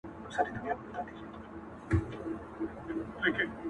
دا دنیا له هر بنده څخه پاتیږي؛